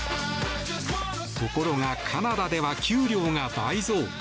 ところがカナダでは給料が倍増。